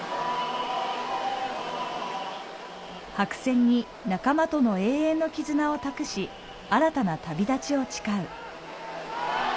白線に仲間との永遠の絆を託し、新たな旅立ちを誓う。